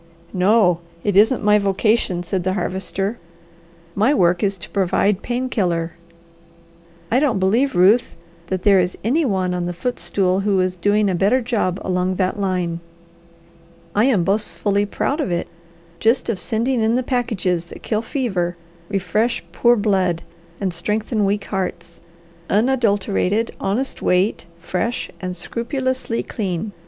"No! It isn't my vocation," said the Harvester. "My work is to provide pain killer. I don't believe, Ruth, that there is any one on the footstool who is doing a better job along that line. I am boastfully proud of it just of sending in the packages that kill fever, refresh poor blood, and strengthen weak hearts; unadulterated, honest weight, fresh, and scrupulously clean.